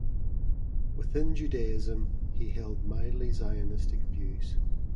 Within Judaism, he held mildly Zionistic views.